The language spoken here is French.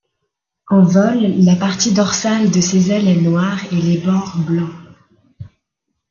En vol, la partie dorsale de ses ailes est noire et les bords blancs.